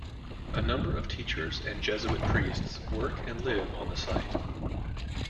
A number of teachers and Jesuit priests work and live on the site.